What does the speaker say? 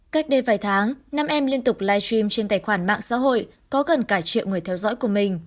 cách đây vài tháng năm em liên tục live stream trên tài khoản mạng xã hội có gần cả triệu người theo dõi của mình